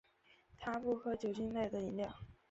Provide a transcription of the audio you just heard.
他不喝酒精类饮料。